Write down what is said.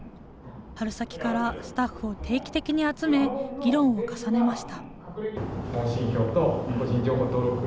春先からスタッフを定期的に集め、議論を重ねました。